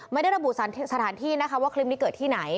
ไม่ได้ระบุสถานที่นะคะว่าคลิปนี้เกิดที่ไหน